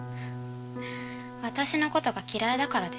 私の事が嫌いだからでしょ。